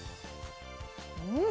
うん？